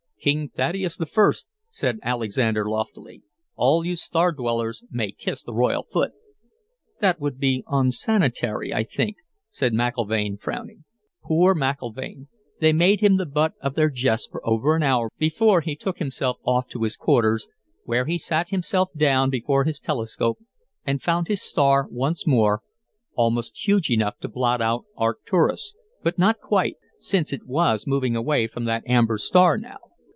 "King Thaddeus the First," said Alexander loftily. "All you star dwellers may kiss the royal foot." "That would be unsanitary, I think," said McIlvaine, frowning. Poor McIlvaine! They made him the butt of their jests for over an hour before he took himself off to his quarters, where he sat himself down before his telescope and found his star once more, almost huge enough to blot out Arcturus, but not quite, since it was moving away from that amber star now.